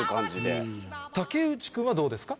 竹内君はどうですか？